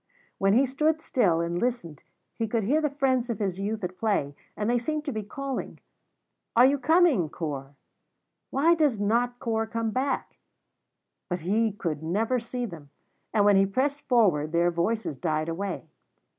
When he stood still and listened he could hear the friends of his youth at play, and they seemed to be calling: "Are you coming, Corp? Why does not Corp come back?" but he could never see them, and when he pressed forward their voices died away.